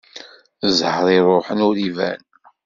Ẓẓher iruḥen ur iban.